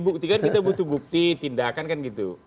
bukti kan kita butuh bukti tindakan kan gitu